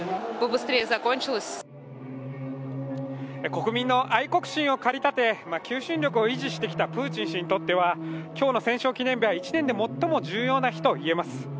国民の愛国心を駆り立て求心力を維持してきたプーチン氏にとっては、今日の戦勝記念日は１年で最も重要な日といえます。